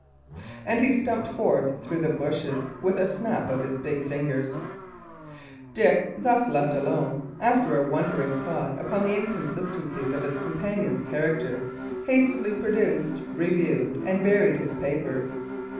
And he stumped forth through the bushes with a snap of his big fingers. Dick, thus left alone, after a wondering thought upon the inconsistencies of his companion's character, hastily produced, reviewed, and buried his papers.